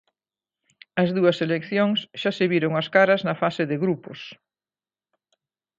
As dúas seleccións xa se viron as caras na fase de grupos.